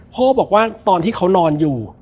พ่อบอกว่าตอนที่เขานอนอยู่